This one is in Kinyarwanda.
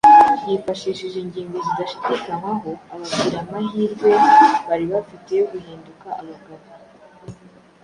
Yifashishije ingingo zidashidikanywaho, ababwira amahirwe bari bafite yo guhinduka abagabo